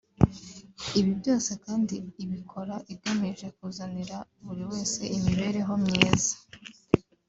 Ibi byose kandi ibikora igamije kuzanira buri wese imibereho myiza